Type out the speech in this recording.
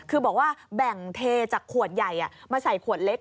คือบอกว่าแบ่งเทจากขวดใหญ่มาใส่ขวดเล็ก